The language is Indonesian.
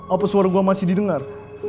apa suara gue masih didengar